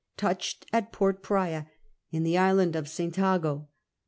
Touched at l^ort Praya in the island of St. Jago.